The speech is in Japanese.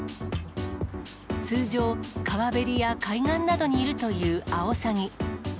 通常、川べりや海岸などにいるというアオサギ。